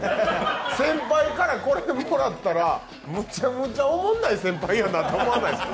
先輩からこれもらったらむちゃむちゃおもんない先輩って思わないですか？